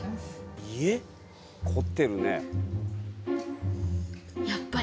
凝ってるね。